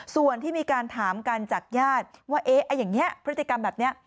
ส่วนที่มีการถามกันจากญาติว่าอย่างนี้พฤติกรรมแบบนี้